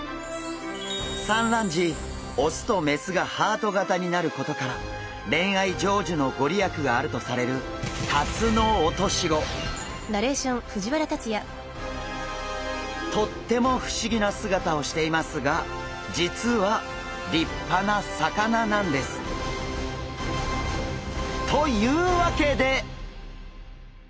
産卵時雄と雌がハート形になることから恋愛成就のご利益があるとされるとっても不思議な姿をしていますが実は立派な魚なんです。というわけで！